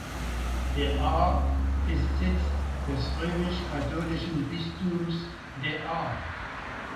De Aar ist Sitz des römisch-katholischen Bistums De Aar.